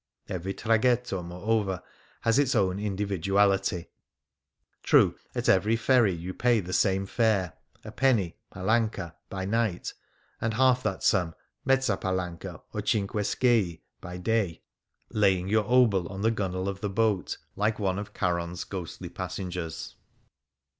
Every traghetto, moreover, has its own individuality. True, at every ferry you pay the same fare — a penny {palanca) by night, 49 D Things Seen in Venice and half that sum {mezza pala7ica or cinque sch^i) by day, laying your obol on the gunwale of the boat, like one of Charon's ghostly passengers.